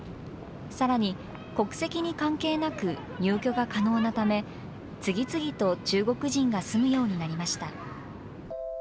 さらに国籍に関係なく、入居が可能なため、次々と中国人が住むようになりました。